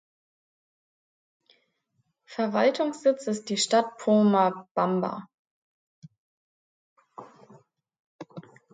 Verwaltungssitz ist die Stadt Pomabamba.